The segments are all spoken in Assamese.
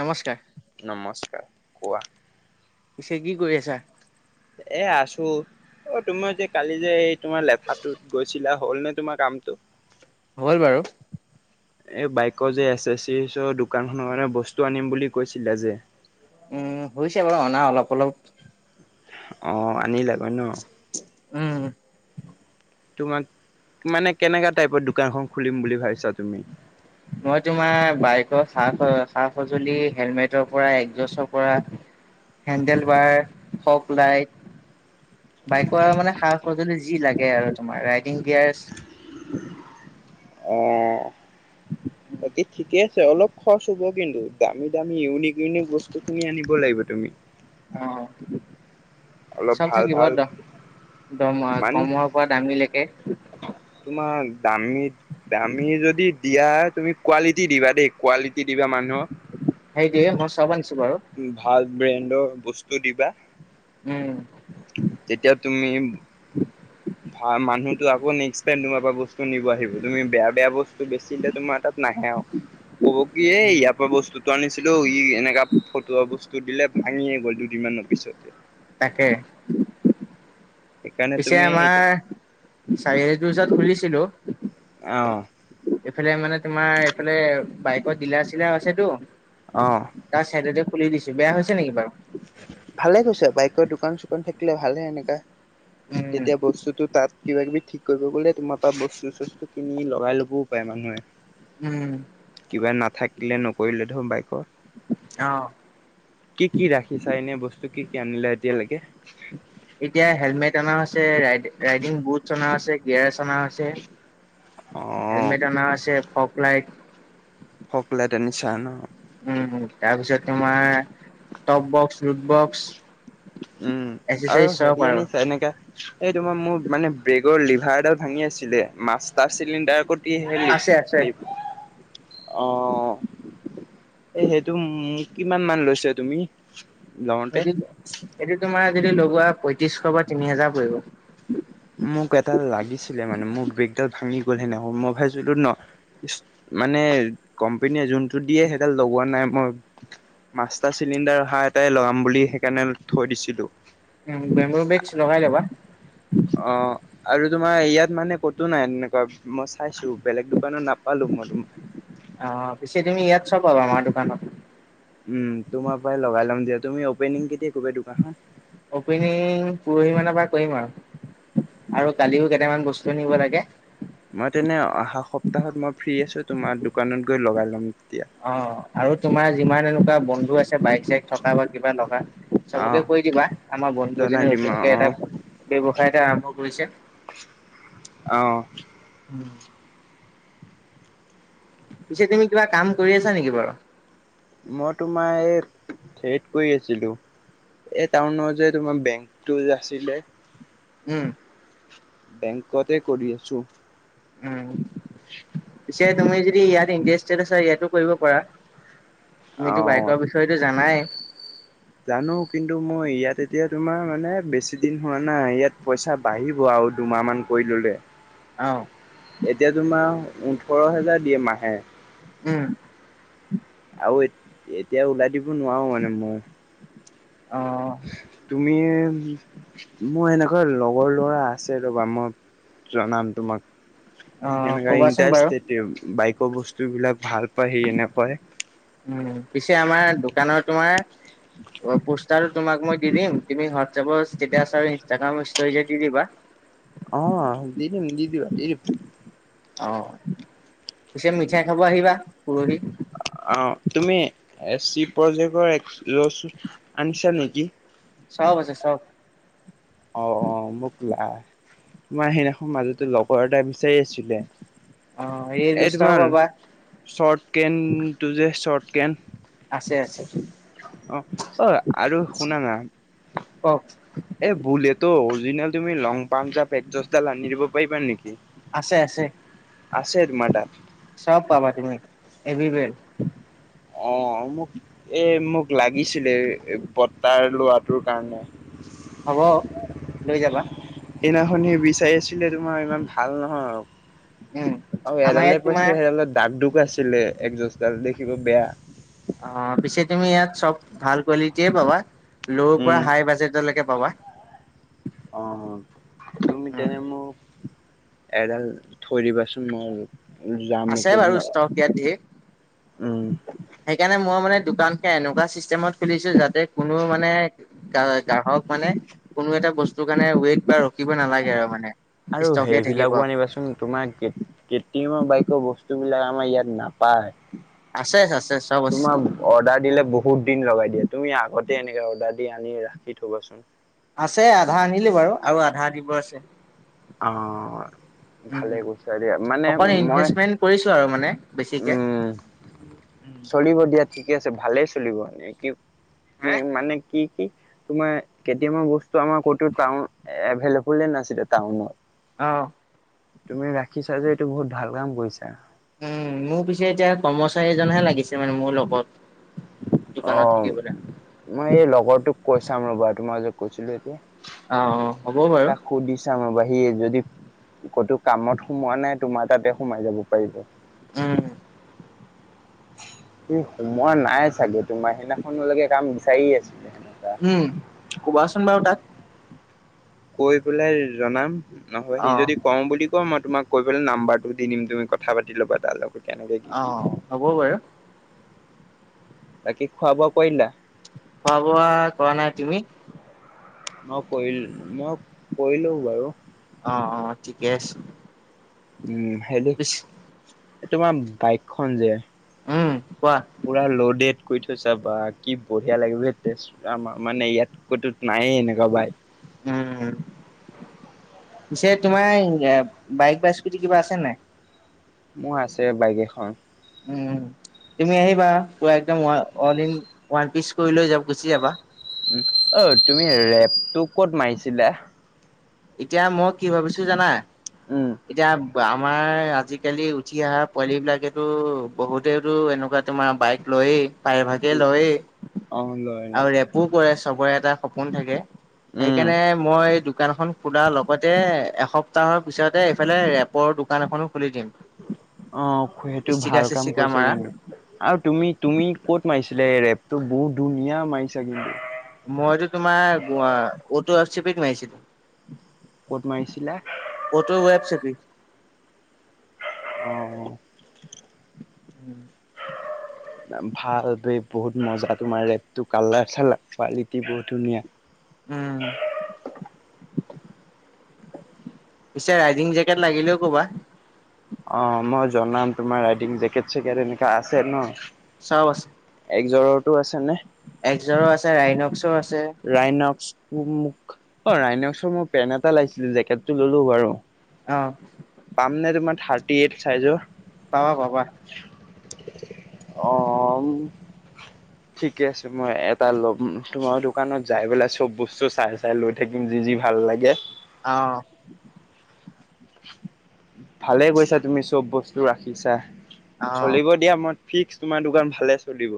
নমস্কাৰ নমস্কাৰ কোৱা ইছে কি কৰি আছা এয়া আছো অ তোমাৰ যে কালি যে এই তোমাৰ লেঠাটোত গৈছিলা হ'ল নে তোমাৰ কামটো হ'ল বাৰু এই বাইকৰ যে এচেচৰিজৰ দোকানখনৰ কাৰণে বস্তু আনিম বুলি কৈছিলা যে উম হৈছে বাৰু অনা অলপ অলপ অ আনিলা গৈ ন উম তোমাক মানে কেনেকুৱা টাইপৰ দোকানখন খুলিম বুলি ভাবিছা তুমি মই তোমাৰ বাইকৰ সা সা সজুলি হেলমেটৰ পৰা একজষ্টৰ পৰা হেণ্ডেল বাৰ ফগলাইট বাইকৰ মানে সা সজুলি যি লাগে আৰু তোমাৰ ৰাইডিং গীয়াৰ্ছ [inaudible] অ [inaudible] বাকী ঠিকে আছে অলপ খৰচ হ'ব কিন্তু দামী দামী ইউনিক ইউনিক বস্তু খিনি আনিব লাগিব তুমি অ অলপ চব ভাল থাকিব ভাল দ দাম মানে কমৰ পৰা দামীলৈকে তোমাৰ দামী দামী যদি দিয়া তুমি কোৱালিটি দিবা দেই কোৱালিটি দিবা মানুহক সেই তোএ মোৰ চব আনিছো বাৰু ভাল ব্ৰেণ্ডৰ বস্তু দিবা উম তেতিয়া তুমি ভাল মানুহতো আকৌ নেক্সট টাইম তোমাৰ পৰা বস্তু নিব আহিব তুমি বেয়া বেয়া বস্তু বেছিলে তোমাৰ তাত নাহে আৰু কব কি এ ইয়াৰ পৰা বস্তুটো আনিছিলো ই এনেকা ফটোৱা বস্তু দিলে ভাঙিয়ে গ'ল দুদিন মানৰ পিছতে তাকে। সেইকাৰণে পিছে তুমি আমাৰ চাৰি [unintelligible] খুলিছিলো। অঁ। এইফালে মানে তোমাৰ এইফালে বাইকৰ ডিলাৰ চিলাৰও আছেটো। অ তাৰ চাইডতে খুলি দিছো। বেয়া হৈছে নেকি বাৰু? ভালে কৰিছা বাইকৰ দোকান চোকান থাকিলে ভালে এনেকা। উম তেতিয়া বস্তুটো তাত কিবা কিবি ঠিক কৰিব গ'লে তোমাৰ পৰা বস্তু চস্তু কিনি লগাই লবও পাৰে মানুহে। উম কিবা নাথাকিলে নকৰিলে [unintelligible] বাইকৰ। অ কি কি ৰাখ বস্তু কি কি আনিলা এতিয়ালৈকে? এতিয়া হেলমেট অনা হৈছে, ৰাই ৰাইডিং বুটছ অনাহৈছে, গীয়াৰ্ষ অনা হৈছে। অ', হেলমেট অনা হৈছে, ফোগ লাইট। ফগ লাইট আনিছা ন? উম, তাৰপিছত তোমাৰ টপ বক্স, ৰুট বক্স। উম, আৰু এচেচাৰিজ চব হেৰি আৰু আনিছা? এনেকা এই তোমাৰ মোৰ মানে ব্ৰেক তোৰ লিভাৰডাল ভাঙি আছিলে, মাষ্টাৰ চিলিণ্ডাৰ কত আছে আছে [unintelligible] লিপ, অঁ। এ সেইটো উম কিমান মান লৈছা তুমি? লওঁতে? সেইটো সেইটো তোমাৰ যদি লগোৱা পয়ত্ৰিশ বা তিনি হেজাৰ পৰিব। মোক এটা লাগিছিলে মানে মোৰ ব্ৰেগডাল [unintelligible] মই [unintelligible] ন মানে কোম্পনীয়ে যোনতটো দিয়ে সেইাল লগোৱা নাই মই, মাষ্টাৰ চিলিণ্ডাৰ অহা এটাই লগাম বুলি কেনেল থৈ দিছিলো। উম বেম্বু বেগছ লগাই ল'বা অঁ আৰু তোমাৰ ইয়াত মানে কতো নাই এনেকুৱা। মই চাইছো বেলেগ দোকানত নাপালো মই তোমা। অ পিছে তুমি ইয়াত চব পাবা আমাৰ দোকানত। উম, তোমাৰ পৰাই লগাই লম দিয়া। তুমি অপেনিং কেতিয়া কৰিবা দোকানখন? অপেনিং পৰহি মানৰ পৰা কৰিম আৰু। আৰু কালিও কেইটামান বস্তু নিব লাগে। মই তেনে অহা সপ্তাহত মই ফ্ৰ্ৰী আছো, তোমাৰ দোকানত গৈ লগাই লম। তেতিয়া অঁ আৰু তোমাৰ যিমান এনেকুৱা বন্ধু আছে, বাইক চাইক থকা বা কিবা লগা, অ চবকে কৈ দিবা আমাৰ বন্ধু জনাই জনে দিম অ নতুনকে এটা ব্যৱসায় এটা আৰম্ভ কৰিছে। অঁ। উম। পিছে তুমি কিবা কাম কৰি আছা নেকি বাৰু? মই তোমাৰ এই হেৰিত কৰি আছিলো এই টাউনৰ যে তোমাৰ বেংকতো যে আছিলে। উম। বেংকতে কৰি আছোঁ। উম। চে তুমি যদি ইয়াত ইণ্টাৰেষ্টেড আছা ইয়াতো কৰিব পাৰা। অ তুমিতো বাইকৰ বিষয়টো জানাই! জানো কিন্তু মই ইয়াত এতিয়া তোমাৰ মানে বেছি দিন হোৱা নাই, ইয়াত পইচা বাঢ়িব আ ৰু দুমাহমান কৰি ল'লে। অ এতিয়া তোমাৰ ওঠৰ হেজাৰ দিয়ে মাহে। উম। আৰু এ এতিয়া ওলাই দিব নোৱাৰো মানে ময়ো। অ তুমি, মোৰ এনেকুৱা লগৰ লৰা আছে ৰ'বা মই জনাম তোমাক। অ সেনেকা কবাচোন বাৰু ইণ্টাৰেষ্ট বাইক ৰ বস্তু বিলাক ভাল পায় সি এনেকুৱাই উম, পিছে আমাৰ দোকানৰ তোমাৰ পোষ্টাৰ তোমাক মই দি দিম, তুমি হোৱাটছএপৰ ষ্টেছ আৰু ইনষ্টাগ্ৰাম ষ্টজ দি দিবা। অ, দিদিম, দিদিবা, দিদিম। অ, পিছে মিঠাই খাব আহিবা পুৰৰি এ, চি, প্ৰজেক্টৰ আনিছা নেকি। চব, আছে চব। অ', অ', মোক লা, তোমাৰ সেইদিনাখ মাজতে লগৰ এটা বিচাৰি আছিলে। অ ৰিয়েল এই দুষ্টাও তোমাৰ পাবা চৰ্ট কেনটো যে চৰ্ট কেন আছে, আছে। অ', অ', আৰু শুনা না। কওক এ, বোলে তো, অৰিজিনেল তুমি লং পাম পেকজছডাল আনি দিব পাৰিবা নেকি। আছে, আছে আছে তোমাৰ তাত চব পাবা। তুমি এবি ব [inaudible] অ, মোক এ, মোক লাগিছিলে। তাৰ লোৱাটোৰ কাৰণে। হব, লৈ যাবা। সেইনাখন বিচাৰি আছিলে তোমাৰ ইমান ভাল নহয় আৰু। উম আৰু আমাৰ এডালে ইয়াত তোমাৰ পাইছে সেইডালত দাক, দুক আছিলে একযোজডাল দেখিব বেয়া। অ, পিছে তুমি ইয়াত চব ভাল কোৱালিটিয়ে পাবা। ল' পৰা, উম হাই বাজেটলৈকে পাবা। অ, ত, উম মিটান মোক এডাল থৈ দিবাচোন ম যামেই আছে কেইদিন বাৰু ষ্টক ইয়াত ধেৰ উম। সেইকাৰণে মই মানে দোকান খে, এনেকুৱা চিষ্টেমত খুলিছো যাতে কোনো মানে গাহক মানে কোনো এটা বস্তু কাৰণে ৱেইট বা ৰখিব নালাগে আৰু মানে। আৰু ষ্টকে থাকিব সেইবিলাকো আনিবাচোন তোমাৰমৰ ব, বস্তু বিলাক আমাৰ ইয়াত নাপায়। আছে আছে চব আছে তোমাৰ অৰ্ডাৰ দিলে বহুত দিন লগাই দিয়া তুমি আগতে এনেকে অৰ্ডাৰ আনি ৰাখি থবাচোন। আছে আধা আনিলো বাৰু আৰু আধা দিব আছে। অ'। উম ভালে কৈছ দ, মানে অকণ মই। ইনভেষ্টমেন্ট কৰিছো আৰু মানে বেছিকে চলিব দিয়া ঠিকে আছে, ভালেই চলিব মানে কি হে মানে কি, কি তোমাৰ কেতিয়ামা বস্তু আমাৰ ক'ত পা, এভেইলেবলে নাছিলে। টাউনত। আহ। তুমি ৰাখিছা যে এইটো বহুত ভাল কাম কৰিছা। উম, মোৰ পিছে এতিয়া কৰ্মচাৰীজনহে লাগিছে মানে মোৰ লগত। অ, দোকানত থাকিবলৈ মই এই লগৰটোক কৈ চাম ৰ'বা তোমাৰ মাজত কৈছিলো। অ অ হ'ব বাৰু তাক সুধি ছাম ৰবা। সি যদি ক'তো কামত সোমোৱা নাই তোমাৰ তাতে সোমাই যাব পাৰিব। উম। স, সোমোৱা নাই চাগে তোমাৰ সেইদিনাখনলৈকে কাম বিচাৰি আছে। উম, কুবা আচোন বাৰু তাক। কৈ পেলাই জনাম নহব সি, অ যদি কওঁ বুলি ক, মই তোমাকৈ পেলাই নাম্বাৰটো দিম তুমি কথা পাতি ল'বা তাৰ লগত। কেনেকে কি কি আহ, হ'ব বাৰু। বাকি খোৱা, বোৱা কৰিলা। খোৱা, বোৱা কৰা নাই তুমি? মই কৰিল, মই কৰিলো বাৰু। অ', অ', ঠিকে আছে। উম', সেইটো পিছ তোমাৰ বাইকখন যে উম কোৱা পুৰা লডেড কৰি থৈছা, বা কি বঢ়িয়া লাগে বে, [unintelligible] মানে ইয়াত কৈতো নায়েই এনেকুৱা বাইক। উম পিছে তোমাৰ বাইক বা স্কুটি কিবা আছে নে নাই? মোৰ আছে বাইক এখন। উম, তুমি আহিবা পুৰা একদম অল ইন-ওৱান পিচ কৰি লৈ যাম, গুচি যাবা। উম, অ' তুমি ৰেপটো [unintelligible] এতিয়া মই কি ভাবিছোঁ জানা, উম। এতিয়া আমাৰ আজি আজিকালি উঠি অহা পোৱালি বিলাকেতো বহুতেতো এনেকুৱা তোমাৰ বাইক লৈয়েই। প্ৰাইভাগে লয়েই অ' লয় আৰু লয়। ৰেপো কৰে, চবৰে এটা সপোন থাকে। উম, সেইকাৰণে মই দোকানখন খোলাৰ লগতে, এসপ্তাহৰ পিছতে এইফালে ৰেপৰ দোকান এখনো খুলি দিম। অ', সেইটো ষ্টিকাৰ ভাল কাম চিষ্টিকাৰ কৰিছাঁ মাৰা কিন্তু আৰু তুমি তুমি ক'ত মাৰিছিলা ৰেপ। তো, বহুত ধুনীয়া মাৰিছা কিন্তু। মইতো তোমাৰ, অটো আৰচিপিত মাৰিছিলোঁ। ক'ত মাৰিছিলা? কত ৱেব [unintelligible] অ'। উম। ভাল বে বহুত মজা, তোমাৰ ৰেটটো, কালাৰ চালাৰ কোৱালিটি বহুত ধুনীয়া। উম। পিছে ৰাইডিং জেকেট লাগিলেও ক'বা। অ', মই জনাম তোমাক ৰাইডিং জেকেট চেকেট এনেকা আছে ন? চব আছে, একজৰৰটো আছে নে? এক্সাৰো আছে ৰাইনক্স‌ও আছে। ৰাইনক্স, [unintelligible] অ', ৰাইনক্সৰ মোৰ পেণ্ট এটা লাগিছিলে জেকেটটো ল'লো বাৰু। অ পাম নে তোমাৰ থাৰ্টি এইট চাইজৰ? পাবা পাবা। অ'। ঠিকে আছে মই এটা ল'ম তোমাৰ দোকানত যাই পেলাই চব বস্তু চাই চাই লৈ থাকিম যি যি ভাল লাগে। আহ। ভালে কৈছা তুমি চব বস্তু ৰাখিছা অ চলিব দিয়া মই ফিক্স তোমাৰ দোকান ভালে চলিব।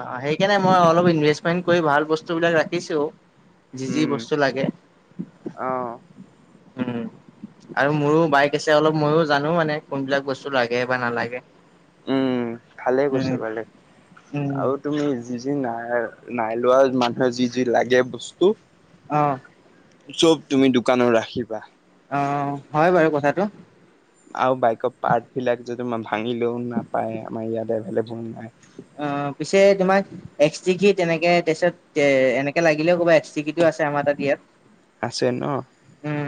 অ, সেইকাৰণে মই অলপ ইনভেষ্টমেন্ট কৰি ভাল বস্তুবিলাক ৰাখিছোঁ। যি যি উম বস্তু লাগে। অ', উম। আৰু মোৰো বাইক আছে অলপ ময়ো জানো মানে কোনবিলাক বস্তু লাগে বা নালাগে। উম ভালে কৈছা উম ভালে উম আৰু তুমি যি নাই নাই লোৱা মানুহে যি যি লাগে বস্তু। অ'। চব তুমি দোকানৰ ৰাখিবা। অ, হয় বাৰু কথাটো। আৰু বাইকৰ পাৰ্ট বিলাক যদি তোমাৰ ভাঙিলেও নাপায় আমাৰ ইয়াত এভলেবল নাই। অ' পিছে তোমাক এক্সটিকি তেনেকে তাৰপিছত এ এনেকে লাগিলেও ক'বা এক্সটিকিটো। আছে আমাৰ তাত ইয়াত। আছে ন উম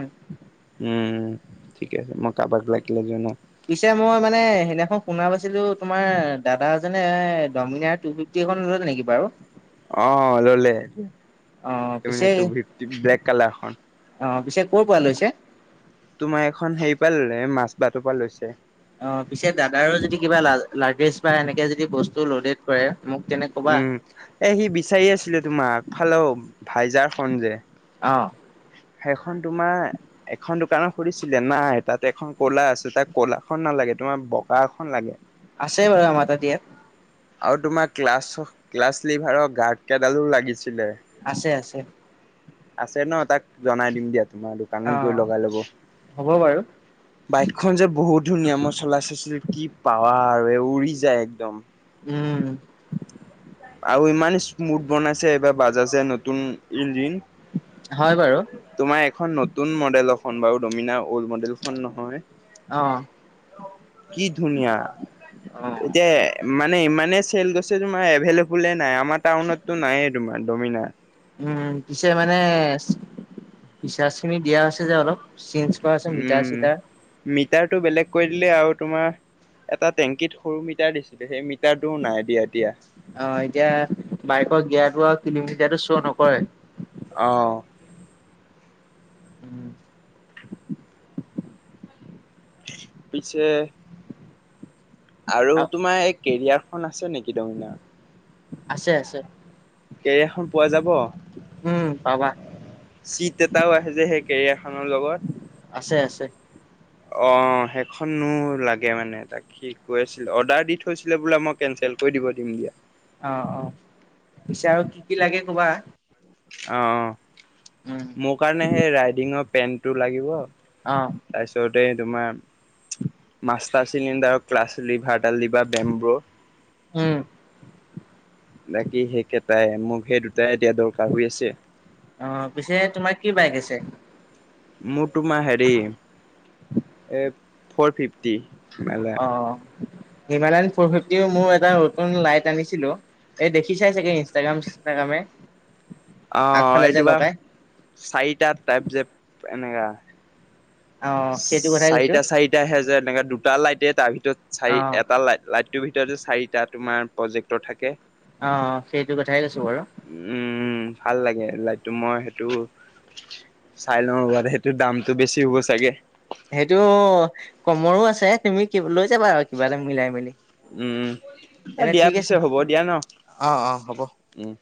উম ঠিক আছে মই কাৰোবাক লাগিলে জনাম। পিছে মই মানে সেইদিনাখন শুনা ছিলো তোমাৰ দাদা এজনে ডমিনাৰ টু ফিফটি খন লল নেকি বাৰু? অ ললে অ' পিছে ডমিনেৰ টু ফিফটী ব্লেক কালাৰখন। অ' পিছে ক'ৰ পৰা লৈছে? তোমাৰ এইখন হেৰি পৰা ল'লে, মাজবাটৰ পৰা লৈছে। অ', পিছে দাদাৰো যদি কিবা লাৰ্ভেষ্ট, বা এনেকে যদি বস্তু লডেড কৰে। মোক তেনে ক'বা। উম, এই সি বিচাৰি আছিলে তোমাক, আগফালৰ ভাইজাৰখন যে অ' সেইখন তোমাৰ এখন দোকানৰ সুধছিলে, নাই, তাত এখন ক'লা আছে, তাক ক'লাখন নালাগে। এই তোমাৰ বগা এখন লাগে। আছে বাৰু আমাৰ তাত ইয়াত। আৰু তোমাৰ ক্লাছ, ক্লাছ লিভাৰৰ গাৰ্ড কেইডালো লাগিছিল। আছে আছে। আছে ন, তাক জনাই দিম দিয়া, তোমাৰ দোকানত গৈ অ' লগাই ল'ব। হ'ব বাৰু। বাইকখন যে বহুত ধুনীয়া, মই চলাই চাইছিলো, কি পাৱাৰ। উৰি যায়, একদম। উম। আৰু ইমান স্মুথ বনাইছে, এইবাৰ বাজাজে নতুন ইঞ্জিন। হয় বাৰু। তোমাৰ এখন নতুন মডেল বাৰু ডমিনাৰ অল্ড মডেলখন নহয়। অহ। কি ধুনীয়া, এতিয়া মানে ইমান মানে চেল গৈছে, তোমাৰ এভেইলেবুল নাই, আমাৰ টাউনতটো নাই তোমাৰ ডমিনাৰ। উম, পিছে মানে ফিচাৰ্জ খিনি দিয়া হৈছে যে অলপ। চেন্স কৰা আছে মিটাৰ উম চিতাৰ। মিটাৰটো বেলেগ কৰি দিলে আৰু তোমাৰ এটা টেংকিত সৰু মিটাৰ দিছিলে, সেই মিটাৰটোও অ', নাই দিয়া এতিয়া বাইকৰ গিয়াৰটো আৰু কিলোমিটাৰ টো চ' নকৰে। অহ। উম। পিছে আৰু তোমাৰ এই কেৰিয়াৰখন আছে নেকি? দমিনাৰ। আছে আছে। কেৰিয়াৰখন পোৱা উম পাবা যাব?। চিট এটাও আহেযে সেই কেৰিয়া আছে আছে। অ', সেইখনো লাগে মানে তাক, সি কৈ আছিল, অৰ্ডাৰ দি থৈছিলে বোলে, মই কেনচেল কৰি দিব দিম দিয়া। অ', অ। পিছে আৰু কি কি লাগে ক'বা। অ', উম মোৰ কাৰণে সেই ৰাইডিঙৰ পেন্টটো লাগিব। অ তাৰপিছত এই তোমাৰ, মাষ্টাৰ চিলিণ্ডাৰৰ ক্লাছলিভা দাল দিবা বেমব্ৰ। উম বাকী সেইকেইটাই, মোক সেই দুট তাই এতিয়া দৰকাৰ হৈ আছে। অ পিছে তোমাৰ কি বাইক আছে মোৰ তোমাৰ হেৰি, এ ফৰ ফিফ দিশ অ [unintelligible] হিমালয়ান ফৰ ফিফটিৰো মোৰ এটা নতুন লাইট আনিছিলো। এই দেখিচাই চাগে ইনষ্টাগ্ৰাম-চিনষ্টাগ্ৰামে। অ', এইটোবা চাৰিটা টাইপ যেপ এনেকা অ সেইটো কথাই কৈছো চাৰিটা চাৰিটা আহে যে, এনেকে দুটা লাইটেই, তাৰ ভিতৰত অ চাৰি এটা লাই লাইট টোৰ ভিতৰতেই চাৰিটা তোমাৰ প্ৰজেক্টৰ থাকে। অ সেইটো কথাই কৈছো বাৰু উম, ভাল লাগে লাইট টো মই সেইটো চাই লওঁ ৰ'বা দে, সেইটো দামতটো বেছি হ'ব চাগে। হেইটো কমৰো আছে, তুমি কিব লৈ যাবা আৰু কিবা এটা মিলাই মেলি। উম এনেই দিয়া ঠিক পিছে আছে, হ'ব দিয়া ন অ', অ', হ'ব। উম।